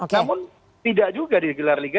namun tidak juga digelar liga